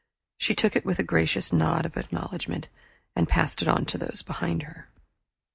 She took it with a gracious nod of acknowledgment, and passed it on to those behind her.